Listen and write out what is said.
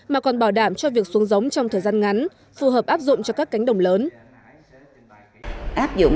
mà còn bảo đảm cho việc xuống giống trong thời gian ngắn phù hợp áp dụng cho các cánh đồng lớn